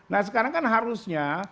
nah sekarang kan harusnya